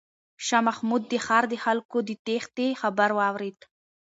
شاه محمود د ښار د خلکو د تیښتې خبر واورېد.